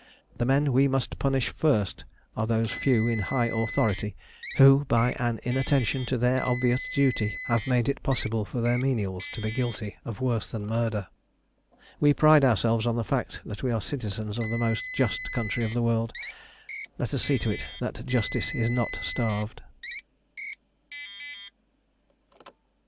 The men we must punish first are those few in high authority, who, by an inattention to their obvious duty, have made it possible for their menials to be guilty of worse than murder. We pride ourselves on the fact that we are citizens of the most just country of the world. Let us see to it that justice is not starved.